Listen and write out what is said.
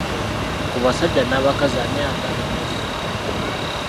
Ku basajja n'abakazi ani ayagala ennyo ssente?